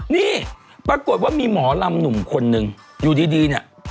นี่ปรากฏว่ามีหมอลำหนุ่มคนนึงอยู่ดีเนี่ย